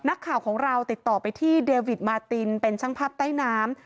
นักข่าวของเราติดต่อไปที่เดวิดมาตินเป็นช่างภาพใต้น้ำ